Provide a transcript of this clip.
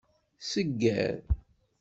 Segger.